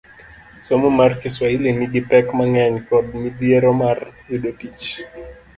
Somo mar Kiswahili nigi pek mang'eny kod midhiero mar yudo tich